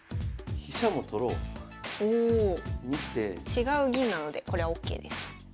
違う銀なのでこれはＯＫです。